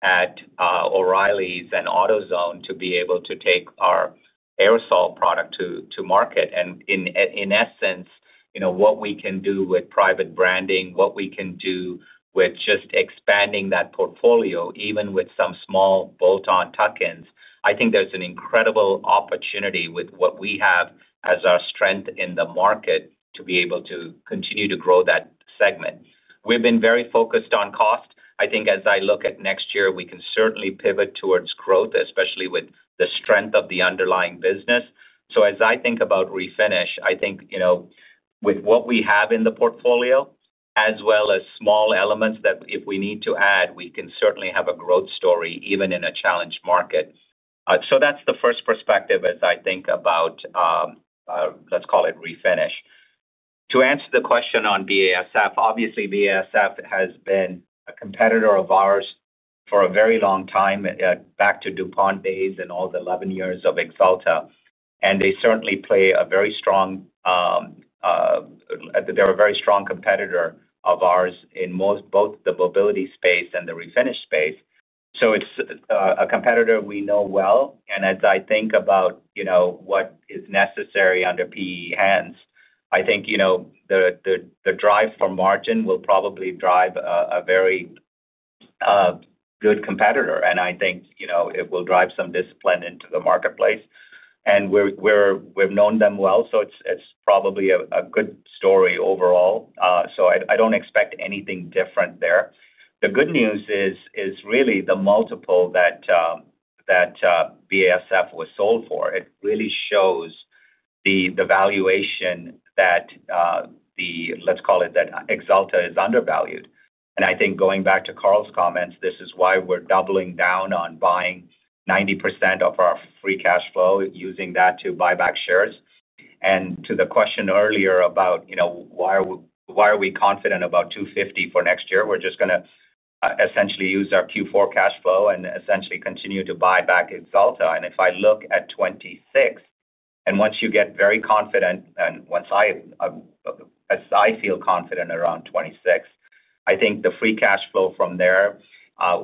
at O'Reilly's and AutoZone to be able to take our aerosol product to market. In essence, you know what we can do with private branding, what we can do with just expanding that portfolio even with some small bolt-on tuck-ins. I think there's an incredible opportunity with what we have as our strength in the market to be able to continue to grow that segment. We've been very focused on cost. I think as I look at next year we can certainly pivot towards growth especially with the strength of the underlying business. As I think about Refinish, I think with what we have in the portfolio as well as small elements that if we need to add we can certainly have a growth story even in a challenged market. That's the first perspective as I think about let's call it Refinish. To answer the question on BASF. Obviously BASF has been a competitor of ours for a very long time, back to DuPont base and all the 11 years of Axalta, and they certainly play a very strong, they're a very strong competitor of ours in both the Mobility space and the Refinish space. It's a competitor we know well. As I think about what is necessary under [PE hands], I think the drive for margin will probably drive a very good competitor, and I think it will drive some discipline into the marketplace. We've known them well, so it's probably a good story overall. I don't expect anything different there. The good news is really the multiple that BASF was sold for, it really shows the valuation that, let's call it, that Axalta is undervalued. I think going back to Carl's comments, this is why we're doubling down on buying 90% of our free cash flow, using that to buy back shares. To the question earlier about why are we confident about $250 million for next year, we're just going to essentially use our Q4 cash flow and essentially continue to buy back its delta. If I look at 2026, and once you get very confident, and as I feel confident around 2026, I think the free cash flow from there,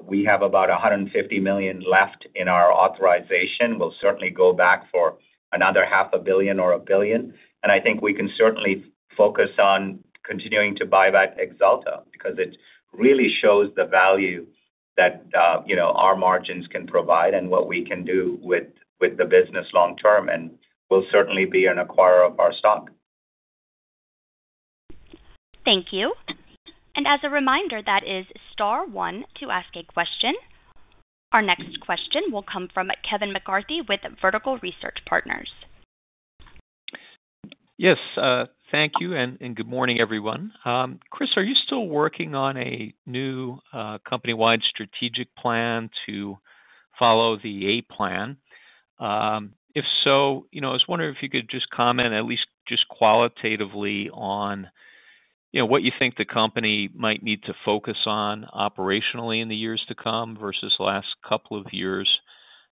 we have about $150 million left in our authorization, we'll certainly go back for another $500,000,000 or a $1,000,000,000 I think we can certainly focus on continuing to buy back Axalta because it really shows the value that our margins can provide and what we can do with the business long term. We'll certainly be an acquirer of our stock. Thank you. As a reminder, that is Star one to ask a question. Our next question will come from Kevin McCarthy with Vertical Research Partners. Yes, thank you and good morning everyone. Chris, are you still working on a new company-wide strategic plan to follow the A-plan? If so, I was wondering if you could just comment at least qualitatively on what you think the company might need to focus on operationally in the years to come versus the last couple of years.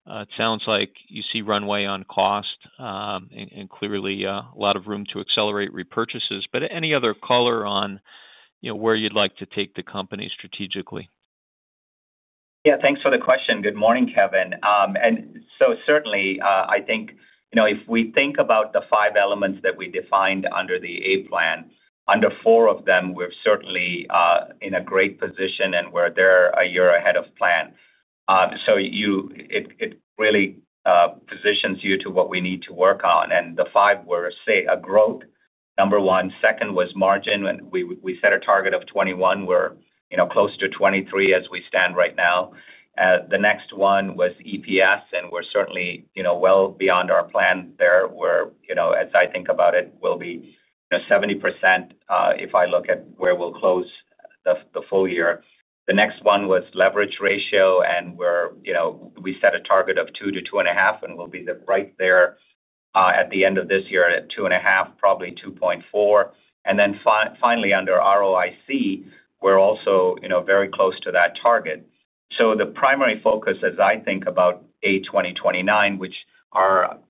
It sounds like you see runway on cost and clearly a lot of room to accelerate repurchases. Any other color on where you'd like to take the company strategically? Yeah, thanks for the question. Good morning, Kevin. Certainly, I think if we think about the five elements that we defined under the A-plan, under four of them, we're certainly in a great position and we're a year ahead of plan. It really positions you to what we need to work on. The five were, say, a growth number. One, second was margin and we set a target of 21. We're close to 23 as we stand right now. The next one was EPS and we're certainly well beyond our plan there. As I think about it, we'll be 70%. If I look at where we'll close the full year, the next one was leverage ratio and we set a target of 2-2.5 and we'll be right there at the end of this year at 2.5, probably 2.4. Finally, under ROIC, we're also very close to that target. The primary focus, as I think about A 2029, which,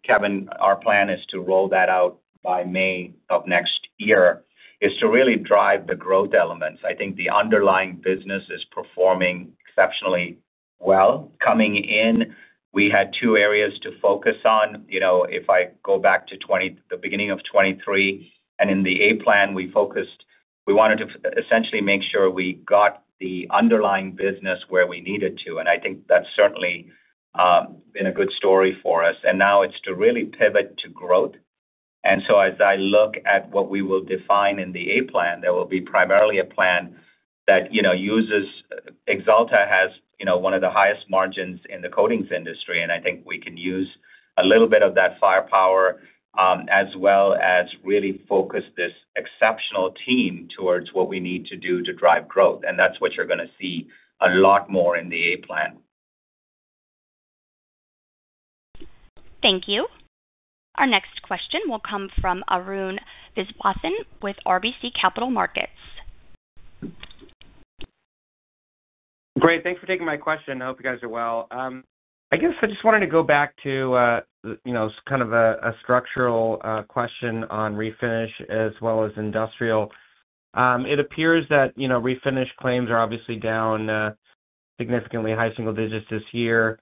Kevin, our plan is to roll that out by May of next year, is to really drive the growth elements. I think the underlying business is performing exceptionally well. Coming in, we had two areas to focus on. If I go back to the beginning of 2023 and in the A-plan we focused, we wanted to essentially make sure we got the underlying business where we needed to. I think that's certainly been a good story for us. Now it's to really pivot to growth. As I look at what we will define in the A-plan, there will be primarily a plan that uses Axalta. Axalta has one of the highest margins in the coatings industry and I think we can use a little bit of that firepower as well as really focus this exceptional team towards what we need to do to drive growth. That's what you're going to see a lot more in the A-plan. Thank you. Our next question will come from Arun Viswanathan with RBC Capital Markets. Great. Thanks for taking my question. I hope you guys are well. I guess I just wanted to go back to a structural question on Refinish as well as Industrial. It appears that Refinish claims are obviously down significantly, high single digits this year.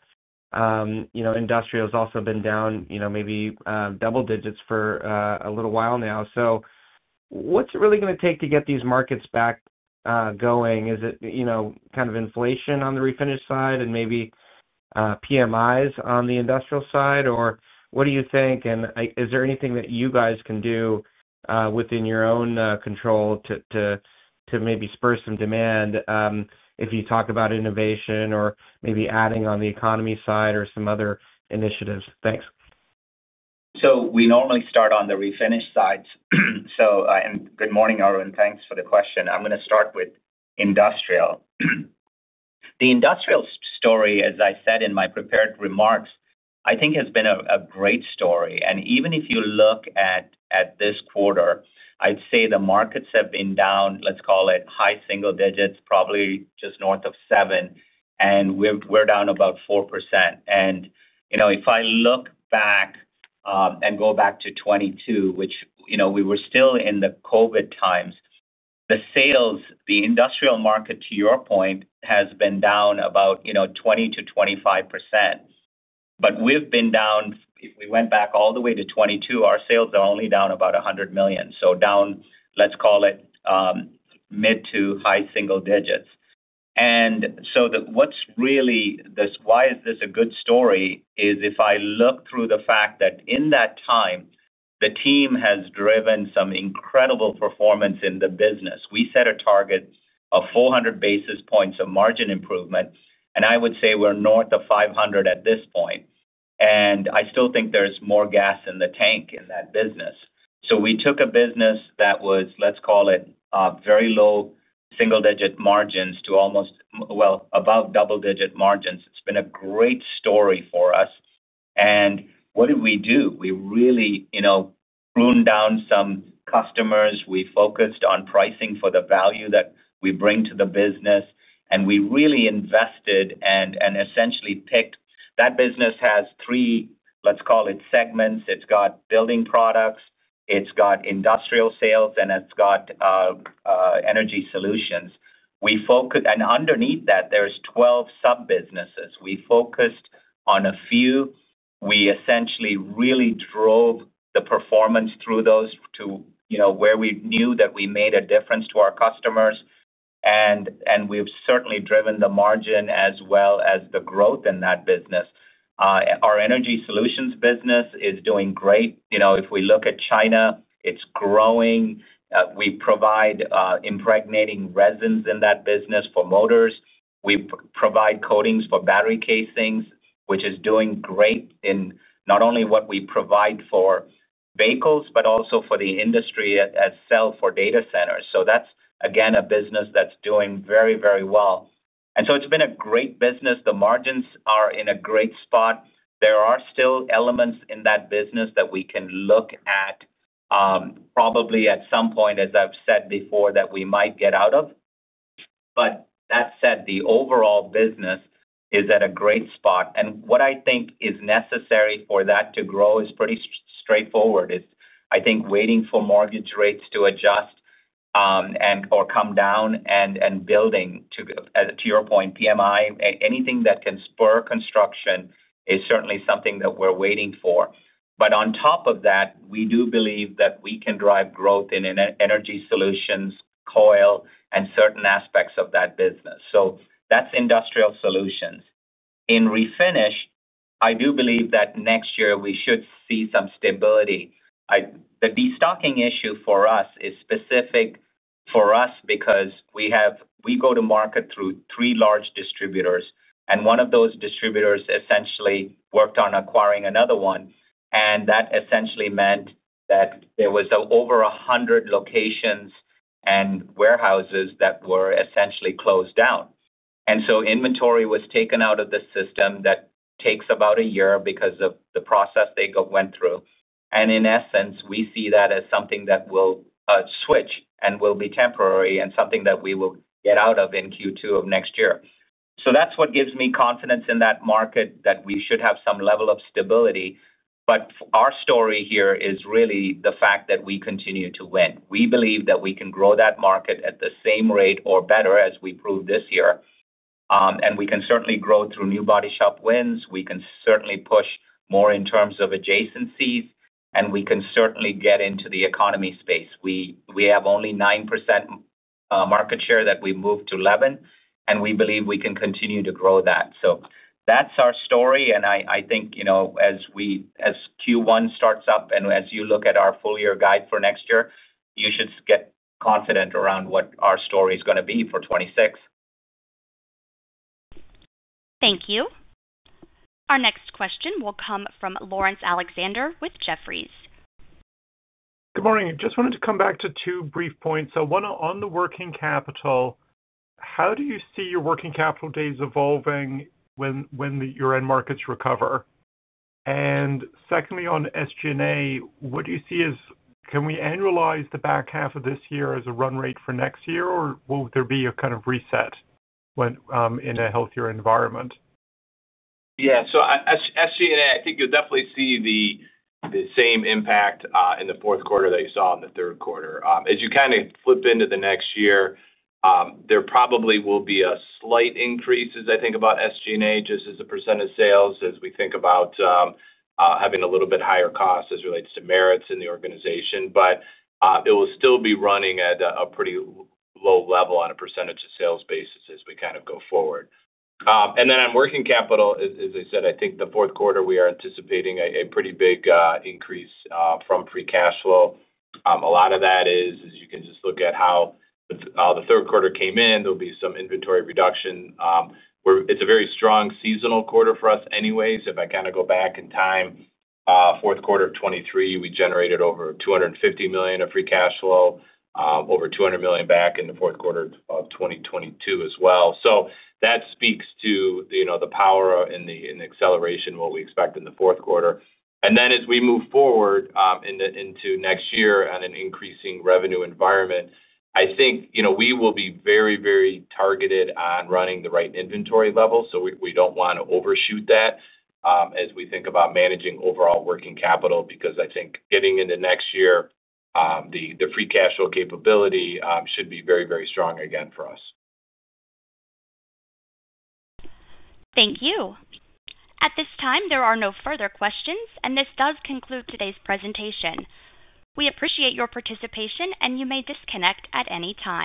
Industrial has also been down, maybe double digits for a little while now. What's it really going to take to get these markets back going? Is it inflation on the Refinish side and maybe PMIs on the Industrial side or what do you think? Is there anything that you guys can do within your own control to maybe spur some demand? If you talk about innovation or maybe adding on the economy side or some other initiatives. Thanks. We normally start on the Refinish sides. Good morning Arun. Thanks for the question. I'm going to start with Industrial. The Industrial story, as I said in my prepared remarks, I think has been a great story. Even if you look at this quarter, I'd say the markets have been down, let's call it high single digits, probably just north of 7%, and we're down about 4%. If I look back and go back to 2022, which we were still in the COVID times, the sales, the Industrial market to your point has been down about 20%-25%, but we've been down, we went back all the way to 2022. Our sales are only down about $100 million, so down, let's call it mid to high single digits. What's really, why is this a good story is if I look through the fact that in that time the team has driven some incredible performance in the business. We set a target of 400 basis points of margin improvement, and I would say we're north of 500 basis points at this point, and I still think there's more gas in the tank in that business. We took a business that was, let's call it very low single digit margins to almost well above double digit margins. It's been a great story for us. What did we do? We really pruned down some customers, we focused on pricing for the value that we bring to the business, and we really invested and essentially picked. That business has three, let's call it segments, it's got building products, it's got Industrial sales, and it's got Energy Solutions. Underneath that there's 12 sub businesses. We focused on a few. We essentially really drove the performance through those to, you know, where we knew that we made a difference to our customers. We've certainly driven the margin as well as the growth in that business. Our Energy Solutions business is doing great. If we look at China, it's growing. We provide impregnating resins in that business for motors. We provide coatings for battery casings, which is doing great in not only what we provide for vehicles but also for the industry itself or data centers. That's again a business that's doing very, very well. It's been a great business. The margins are in a great spot. There are still elements in that business that we can look at probably at some point, as I've said before, that we might get out of. That said, the overall business is at a great spot. What I think is necessary for that to grow is pretty straightforward. I think waiting for mortgage rates to adjust and or come down and building to your point, PMI, anything that can spur construction is certainly something that we're waiting for. On top of that, we do believe that we can drive growth in Energy Solutions coil and certain aspects of that business. That's Industrial solutions in Refinish. I do believe that next year we should see some stability. The destocking issue for us is specific for us because we go to market through three large distributors, and one of those distributors essentially worked on acquiring another one. That essentially meant that there were over 100 locations and warehouses that were essentially closed down, and so inventory was taken out of the system. That takes about a year because of the process they went through. In essence, we see that as something that will switch and will be temporary and something that we will get out of in Q2 of next year. That gives me confidence in that market that we should have some level of stability. Our story here is really the fact that we continue to win. We believe that we can grow that market at the same rate or better as we proved this year. We can certainly grow through new bodyshop wins, we can certainly push more in terms of adjacencies, and we can certainly get into the economy space. We have only 9% market share that we moved to 11%, and we believe we can continue to grow that. That's our story. I think as Q1 starts up and as you look at our full year guide for next year, you should get confident around what our story is going to be for 2026. Thank you. Our next question will come from Laurence Alexander with Jefferies. Good morning. Just wanted to come back to two brief points. One, on the working capital, how do you see your working capital days evolving when your end markets recover? Secondly, on SG&A, what do you see as can we annualize the back half of this year as a run rate for next year, or will there be a kind of reset in a healthier environment? Yeah, so SG&A. I think you'll definitely see the same. Impact in the fourth quarter that you saw in the third quarter as you kind of flip into the next year. There probably will be a slight increase as I think about SG&A, just as a percent of sales, as we think about having a little bit higher cost as it relates to merits in the organization. It will still be running at. A pretty low level on a percent Of sales basis as we kind of go forward. On working capital, as I said, I think the fourth quarter we are anticipating a pretty big increase from free cash flow. A lot of that is you can just look at how the third quarter came in. There'll be some inventory reduction where it's a very strong seasonal quarter for us anyways. If I kind of go back in time, fourth quarter of 2023, we generated over $250 million of free cash flow, over $200 million back in the fourth quarter of 2022 as well. That speaks to the power in the acceleration, what we expect in the fourth quarter. As we move forward into next year and an increasing revenue environment. I think we will be very, very. Targeted on running the right inventory level. We don't want to overshoot that as we think about managing overall working capital. I think getting into next year, the free cash flow capability should be very, very strong again for us. Thank you. At this time, there are no further questions and this does conclude today's presentation. We appreciate your participation and you may disconnect at any time.